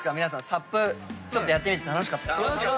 ＳＵＰやってみて楽しかった？